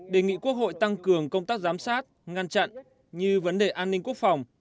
đề nghị quốc hội tăng cường công tác giám sát ngăn chặn như vấn đề an ninh quốc phòng